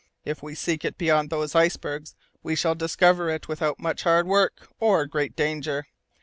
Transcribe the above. If we seek it beyond those icebergs, we shall discover it without much hard work, or great danger!